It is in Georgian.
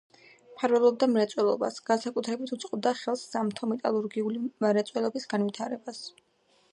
მფარველობდა მრეწველობას, განსაკუთრებით უწყობდა ხელს სამთო-მეტალურგიული მრეწველობის განვითარებას.